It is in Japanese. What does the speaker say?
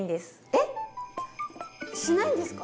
えっしないんですか？